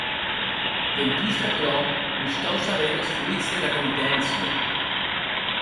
Dempús d’aquerò mos cau saber es fruits dera penitència.